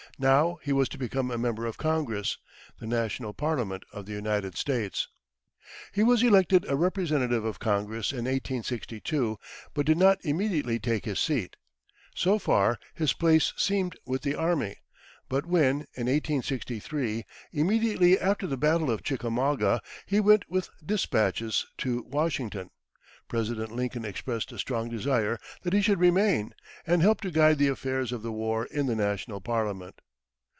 Now he was to become a Member of Congress, the national Parliament of the United States. He was elected a representative of Congress in 1862, but did not immediately take his seat. So far, his place seemed with the army; but when, in 1863, immediately after the battle of Chickamauga, he went with despatches to Washington, President Lincoln expressed a strong desire that he should remain, and help to guide the affairs of the war in the national Parliament.